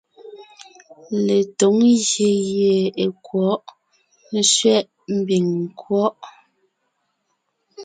Letǒŋ ngyè gie è kwɔ̌ʼ ( sẅɛ̌ʼ mbiŋ nkwɔ́ʼ).